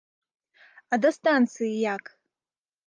А да станцыі як?